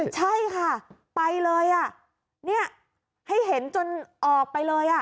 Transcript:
ใช่ค่ะไปเลยอ่ะเนี่ยให้เห็นจนออกไปเลยอ่ะ